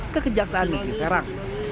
ke kejaksaan negeri serang